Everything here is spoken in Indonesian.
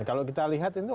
kalau kita lihat itu